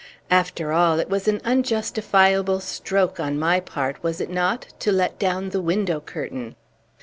After all, it was an unjustifiable stroke, on my part, was it not? to let down the window curtain!"